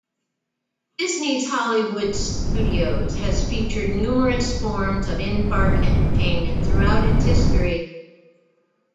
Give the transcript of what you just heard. Disney's Hollywood Studios has featured numerous forms of in-park entertainment throughout its history.